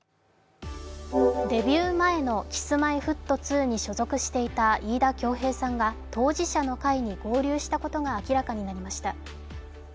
デビュー前のＫｉｓ−Ｍｙ−Ｆｔ２に所属していた飯田恭平さんが当事者の会に合流したことが明らかになりました。